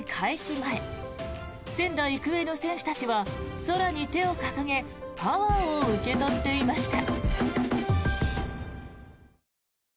前仙台育英の選手たちは空に手を掲げパワーを受け取っていました。